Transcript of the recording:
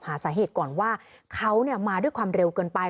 หาสาเหตุก่อนว่าเขามาด้วยความเร็วเกินไป